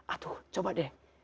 atuh coba deh